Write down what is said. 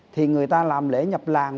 thì người ta làm lễ nhập làng